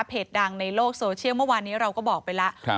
ดังในโลกโซเชียลเมื่อวานนี้เราก็บอกไปแล้ว